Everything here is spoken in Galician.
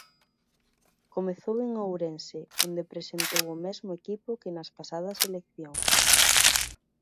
Comezou en Ourense, onde presentou o mesmo equipo que nas pasadas eleccións.